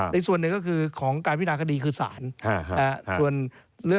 อีกส่วนหนึ่งของการพินากฎีคือศาล